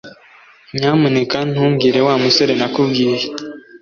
Nyamuneka ntubwire Wa musore nakubwiye